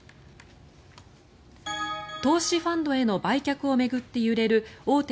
投資ファンドへの売却を巡って揺れる大手